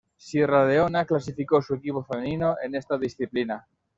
Sierra Leona clasificó su equipo femenino en esta disciplina.